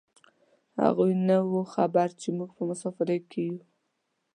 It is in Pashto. هغوی نه خبر و چې موږ په مسافرۍ کې یو.